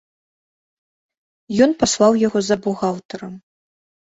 Ён паслаў яго за бухгалтарам.